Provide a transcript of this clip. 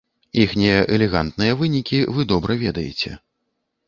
Іхнія элегантныя вынікі вы добра ведаеце.